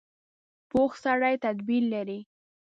پوخ سړی تدبیر لري